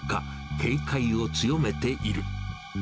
警戒を強めている。